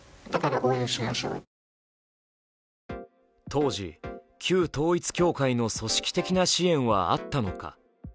当時、旧統一教会の組織的な支援はあったのか。